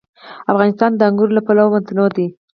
افغانستان د انګور له پلوه متنوع دی.